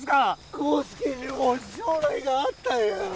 康介にも将来があったんや